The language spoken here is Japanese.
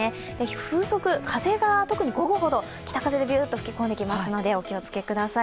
風速、風が午後ほど北風がビューッと吹き込んできますのでお気をつけください。